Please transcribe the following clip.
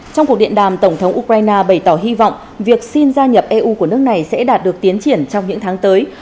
trong cuộc điện đàm tổng thống ukraine bày tỏ hy vọng việc xin gia nhập eu của nước này sẽ đạt được tiến triển trong những tháng tới